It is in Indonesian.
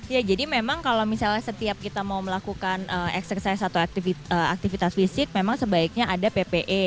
ya jadi memang kalau misalnya setiap kita mau melakukan eksersis atau aktivitas fisik memang sebaiknya ada ppe